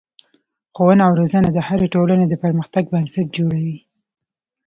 ښوونه او روزنه د هرې ټولنې د پرمختګ بنسټ جوړوي.